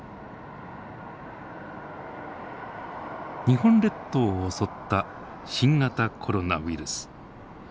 日本列島を襲った新型コロナウイルス。